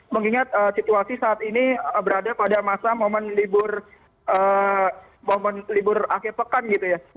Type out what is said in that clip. mengingat situasi saat ini berada pada masa momen libur akhir pekan gitu ya